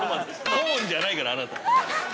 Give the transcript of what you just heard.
コーンじゃないから、あなた。